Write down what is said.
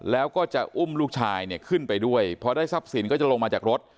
แล้วก็จะอุ้มลูกชายเนี่ยขึ้นไปด้วยพอได้ทรัพย์สินก็จะลงมาจากรถ